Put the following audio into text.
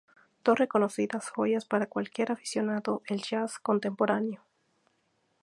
Dos reconocidas joyas para cualquier aficionado al jazz contemporáneo.